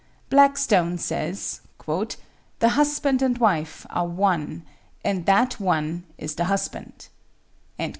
"Blackstone says: 'The husband and wife are one, and that one is the husband.'